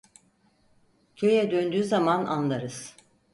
Köye döndüğü zaman anlarız…